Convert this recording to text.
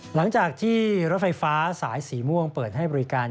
หลังจากที่รถไฟฟ้าสายสีม่วงเปิดให้บริการ